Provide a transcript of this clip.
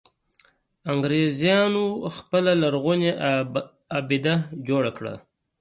انګرېزانو خپله لرغونې آبده جوړه کړه.